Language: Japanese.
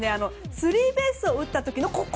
スリーベースを打った時の、ここ。